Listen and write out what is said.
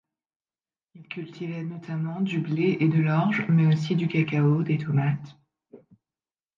Ils cultivaient notamment du blé et de l'orge mais aussi du cacao, des tomates...